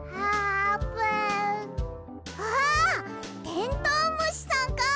テントウムシさんか！